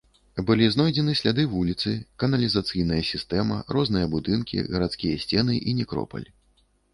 Былі знойдзены сляды вуліцы, каналізацыйная сістэма, розныя будынкі, гарадскія сцены і некропаль.